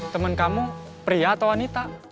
teman kamu pria atau wanita